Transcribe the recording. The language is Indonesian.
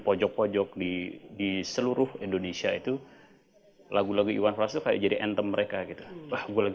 makanya dia seperti menjadi representasi dari rakyat yang terkenal di dalam karyanya